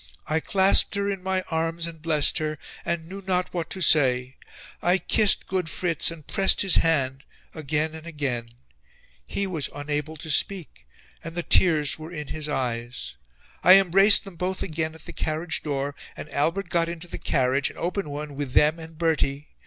"I clasped her in my arms and blessed her, and knew not what to say. I kissed good Fritz and pressed his hand again and again. He was unable to speak and the tears were in his eyes. I embraced them both again at the carriage door, and Albert got into the carriage, an open one, with them and Bertie...